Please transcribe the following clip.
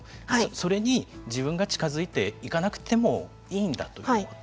それに自分から近づいていかなくてもいいんだということ。